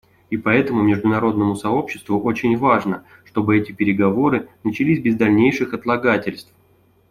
И поэтому международному сообществу очень важно, чтобы эти переговоры начались без дальнейших отлагательств.